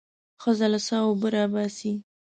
ښځه له څاه اوبه راباسي.